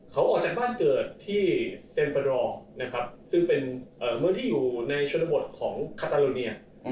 เขาออกจากบ้านเกิดที่เซ็นประดอลซึ่งเป็นเมื่อที่อยู่ในชนบทของคาตาโลเนีย